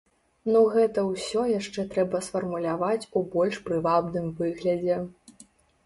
Ну гэта ўсё яшчэ трэба сфармуляваць у больш прывабным выглядзе.